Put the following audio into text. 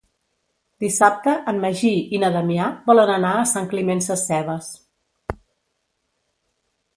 Dissabte en Magí i na Damià volen anar a Sant Climent Sescebes.